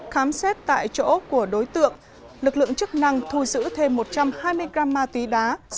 khám xét tại chỗ của đối tượng lực lượng chức năng thu giữ thêm một trăm hai mươi gram ma túy đá